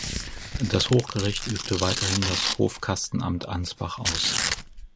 Das Hochgericht übte weiterhin das Hofkastenamt Ansbach aus.